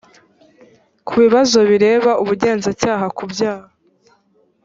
ku bibazo bireba ubugenzacyaha ku byaha